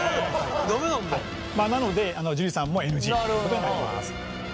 まあなので樹さんもＮＧということになります。